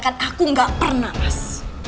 kan aku gak pernah mas